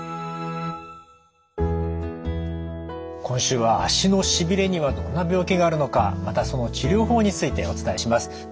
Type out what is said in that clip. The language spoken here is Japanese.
今週は足のしびれにはどんな病気があるのかまたその治療法についてお伝えします。